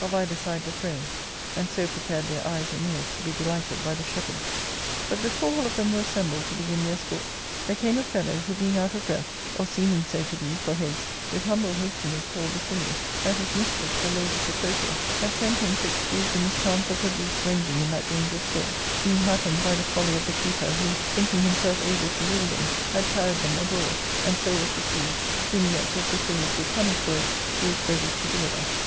— Book I, 105 either side the throne, and so prepared their eyes and ears to be delighted by the shepherds. But before all of them were assembled to begin their sports, there came a fellow who, being out of breath, or seeming so to be, for haste, with humble hastiness told Basilius that his mistress the lady CecroBJa had sent him to excuse the mis chance of her beasts ranging in that dangerous sort, being happened by the folly of the keeper, who, thinking himself able to rule them, had carried them abroad, and so was deceived, whom yet, if Basilius would punish for it, she was ready to deliver.